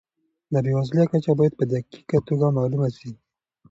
د بېوزلۍ کچه باید په دقیقه توګه معلومه سي.